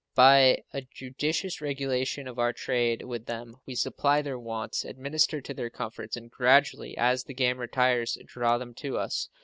By a judicious regulation of our trade with them we supply their wants, administer to their comforts, and gradually, as the game retires, draw them to us.